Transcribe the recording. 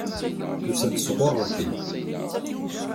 Tusa-d sɣur Rebbi.